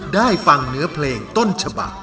ได้ฟังเนื้อเพลงต้นฉบัก